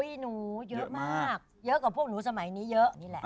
โอ้ยหนูเยอะมากเยอะกว่าพวกหนูสมัยนี้เยอะ